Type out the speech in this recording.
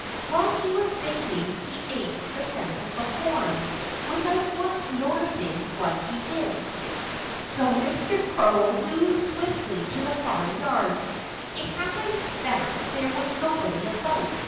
While he was thinking he ate the sample of corn, without once noticing what he did. So Mr. Crow flew swiftly to the farm yard. It happened that there was nobody about.